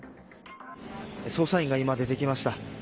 捜査員が今、出てきました。